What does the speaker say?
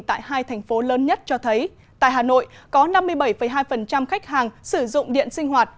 tại hai thành phố lớn nhất cho thấy tại hà nội có năm mươi bảy hai khách hàng sử dụng điện sinh hoạt